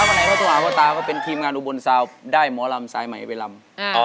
วันไหนเขาโทรหาพ่อตาก็เป็นทีมงานอุบลซาวได้หมอลำสายใหม่ไปลำ